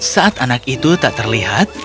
saat anak itu tak terlihat